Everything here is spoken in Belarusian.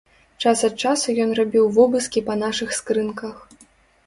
Час ад часу ён рабіў вобыскі па нашых скрынках.